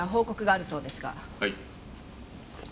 はい。